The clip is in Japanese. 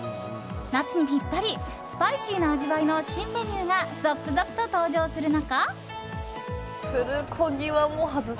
夏にぴったりスパイシーな味わいの新メニューが続々と登場する中。